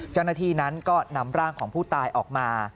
เจ้าหน้าที่นั้นก็นำร่างของผู้ตายออกมา